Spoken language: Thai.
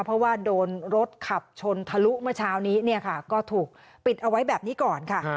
เพราะว่าโดนรถขับชนทะลุเมื่อเช้านี้เนี่ยค่ะก็ถูกปิดเอาไว้แบบนี้ก่อนค่ะ